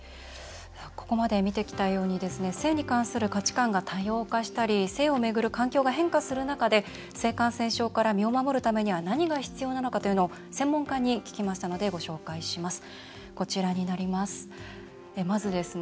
ここまで見てきたように性に関する価値観が多様化したり変化する中で性感染症から身を守るためには何が必要なのかというのを専門家に聞きましたのでご紹介します。